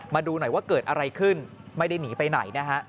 มาดูหน่อยว่าเกิดอะไรขึ้นไม่ได้หนีไปไหนนะฮะ